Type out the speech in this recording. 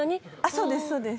そうですそうです。